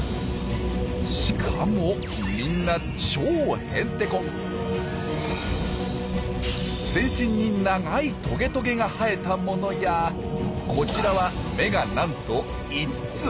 しかもみんな全身に長いトゲトゲが生えたものやこちらは眼がなんと５つ！